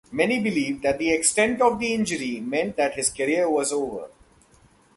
Many believed that the extent of the injury meant that his career was over.